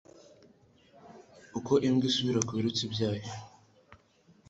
Uko imbwa isubira ku birutsi byayo